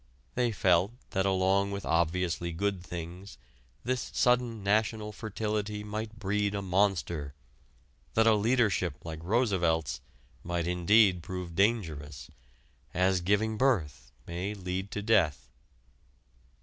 They felt that, along with obviously good things, this sudden national fertility might breed a monster that a leadership like Roosevelt's might indeed prove dangerous, as giving birth may lead to death.